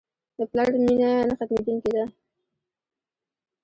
د پلار مینه نه ختمېدونکې ده.